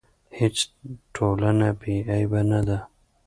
هیڅ ټولنه بې عیبه نه ده.